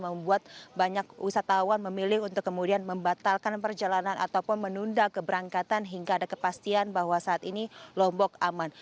membuat banyak wisatawan memilih untuk kemudian membatalkan perjalanan ataupun menunda keberangkatan hingga ada kepastian bahwa saat ini lombok aman